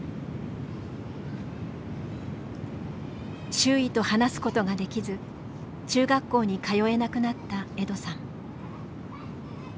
周囲と話すことができず中学校に通えなくなったエドさん。